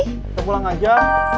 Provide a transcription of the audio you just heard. kita pulang aja